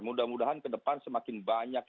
mudah mudahan ke depan semakin banyak